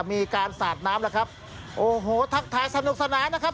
มีการศาดน้ำนะครับทักทายสนุกสนายนะครับ